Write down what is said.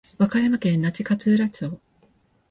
和歌山県那智勝浦町